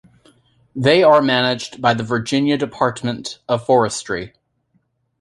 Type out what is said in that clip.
They are managed by the Virginia Department of Forestry.